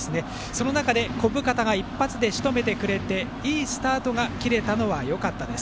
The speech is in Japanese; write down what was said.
その中で、小深田が一発でしとめてくれていいスタートが切れてよかったです。